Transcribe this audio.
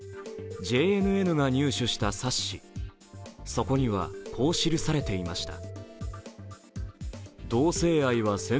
ＪＮＮが入手した冊子そこにはこう記されていました。